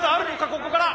ここから。